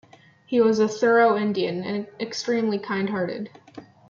He was a thorough Indian, and extremely kind-hearted.